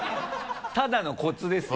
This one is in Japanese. ただのコツですよ。